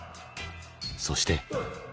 そして。